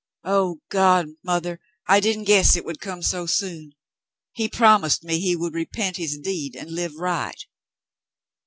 Oh, God ! Mother, I didn't guess it would come so soon. He promised me he would repent his deed and live right."